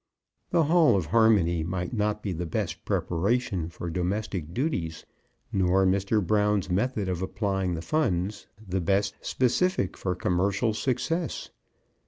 The Hall of Harmony might not be the best preparation for domestic duties, nor Mr. Brown's method of applying the funds the best specific for commercial success.